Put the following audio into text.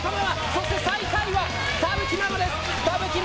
そして最下位は田吹ママです。